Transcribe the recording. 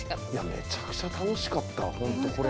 めちゃくちゃ楽しかったほんとこれ。